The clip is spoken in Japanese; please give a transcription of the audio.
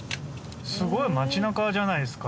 すごい街なかじゃないですか